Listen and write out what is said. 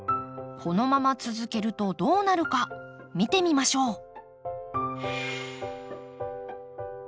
このまま続けるとどうなるか見てみましょう。